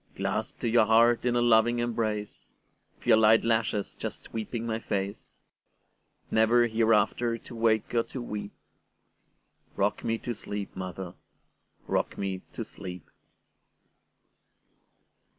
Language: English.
Clasped to your heart in a loving embrace, With your light lashes just sweeping my face, Never hereafter to wake or to weep;—Rock me to sleep, mother,—rock me to sleep!